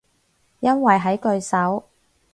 因為喺句首